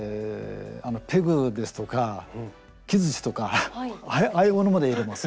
あのペグですとか木づちとかああいうものまで入れます。